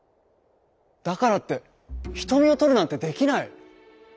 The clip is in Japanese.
「だからってひとみをとるなんてできない」。